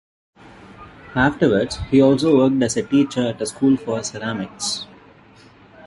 Afterwards, he also worked as a teacher at a school for ceramics.